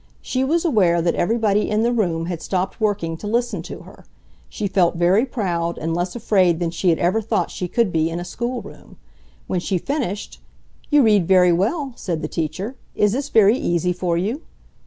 She was aware that everybody in the room had stopped working to listen to her. She felt very proud and less afraid than she had ever thought she could be in a schoolroom. When she finished, "You read very well!" said the teacher. "Is this very easy for you?"